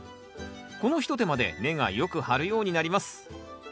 この一手間で根がよく張るようになります。